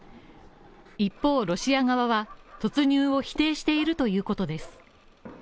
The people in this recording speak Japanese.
一方ロシア側は突入を否定しているということです。